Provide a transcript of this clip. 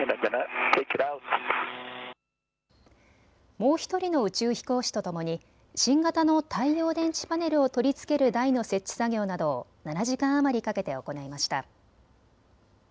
もう１人の宇宙飛行士とともに新型の太陽電池パネルを取り付ける台の設置作業などを７時間余りかけて行いました。